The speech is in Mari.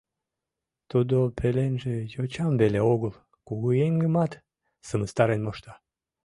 Тудо пеленже йочам веле огыл, кугыеҥымат сымыстарен мошта.